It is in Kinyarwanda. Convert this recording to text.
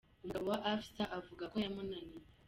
Umugabo wa Afsa avuga ko yamunaniye.